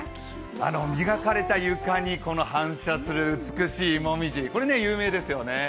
あの磨かれた床に反射する美しいもみじ、これ、有名ですよね。